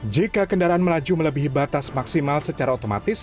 jika kendaraan melaju melebihi batas maksimal secara otomatis